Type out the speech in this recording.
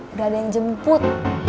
udah ada yang jemput